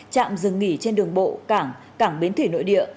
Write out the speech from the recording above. trạm dừng nghỉ trên đường bộ cảng cảng bến thủy nội địa